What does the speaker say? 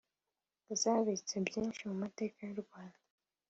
zabitse byinshi ku mateka y’u Rwanda